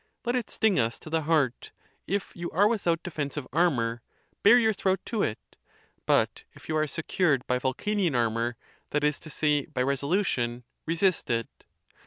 Let it sting us to the heart: if you are with out defensive armor, bare your throat to it; but if you are secured by Vulcanian armor, that is to say by resolu tion, resist it.